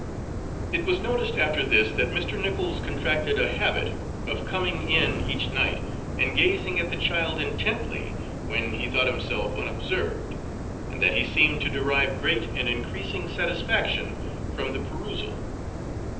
It was noticed after this that Mr. Nichols contracted a habit of coming in each night and gazing at the child intently when he thought himself unobserved, and that he seemed to derive great and increasing satisfaction from the perusal.